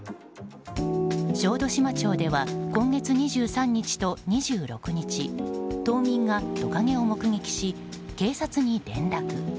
小豆島町では今月２３日と２６日島民がトカゲを目撃し警察に連絡。